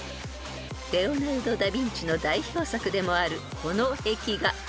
［レオナルド・ダ・ヴィンチの代表作でもあるこの壁画］